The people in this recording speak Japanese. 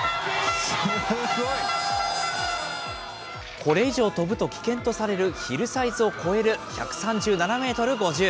これ以上飛ぶと危険とされるヒルサイズを越える１３７メートル５０。